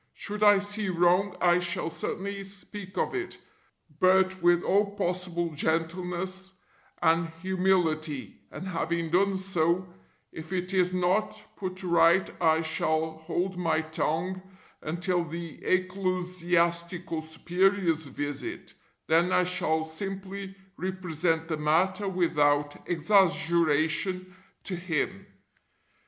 Should I see wrong I shall certainly speak of it, but with all possible gentleness and humility, and having done so, if it is not put right I shall hold my tongue until the [Ecclesiastical] Superior's visit, then I shall simply represent the matter without exaggeration to him.